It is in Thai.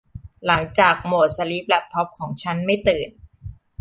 หลังจากโหมดสลีปแลปท็อปของฉันไม่ตื่น